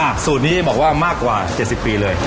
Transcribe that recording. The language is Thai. สูตรนี้บอกว่ามากกว่า๗๐ปีเลย